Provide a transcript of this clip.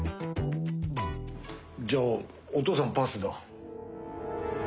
じゃあお父さんパスだ。